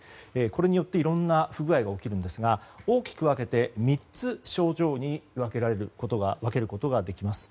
これによっていろんな不具合が起きるんですが大きく分けて３つの症状に分けることができます。